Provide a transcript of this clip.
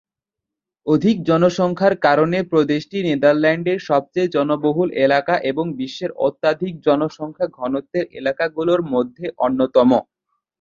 অধিক জনসংখ্যার কারণে প্রদেশটি নেদারল্যান্ডের সবচেয়ে জনবহুল এলাকা এবং বিশ্বের অত্যধিক জনসংখ্যা ঘনত্বের এলাকাগুলোর মধ্যে অন্যতম।